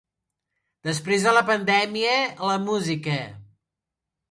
Després de la pandèmia, la música.